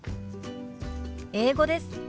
英語です。